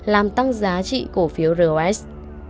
làm tăng giá trị cổ phiếu ros